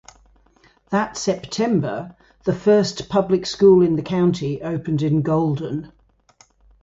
That September the first public school in the county opened in Golden.